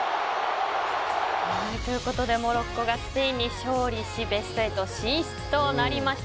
ということでモロッコがスペインに勝利しベスト８進出となりました。